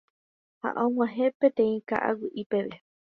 ha og̃uahẽ peteĩ ka'aguy'i peve